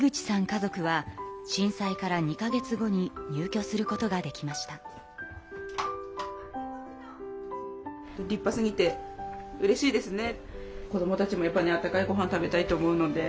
家族は震災から２か月後に入居することができました。と思いますね。